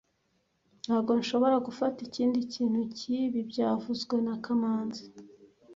Ntabwo nshobora gufata ikindi kintu cyibi byavuzwe na kamanzi